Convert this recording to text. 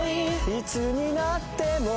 「幾つになっても」